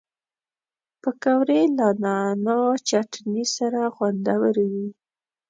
پکورې له نعناع چټني سره خوندورې وي